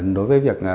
đối với việc